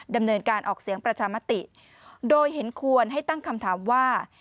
ดำเนินการออกเสียงประชามติโดยเห็นควรให้ตั้งคำถามว่า